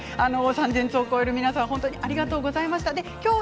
３０００通を超える皆さんありがとうございました。